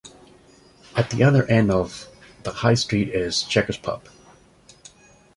At the other end of the High Street is the Chequers pub.